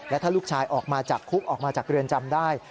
และถ้าลูกชายออกมาจากคุกออกมาจากเรือนจำได้